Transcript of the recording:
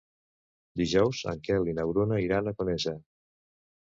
Dijous en Quel i na Bruna iran a Conesa.